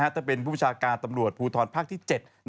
ถ้าเป็นผู้ประชาการตำรวจภูทรภาคที่๗